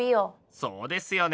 そうですよね。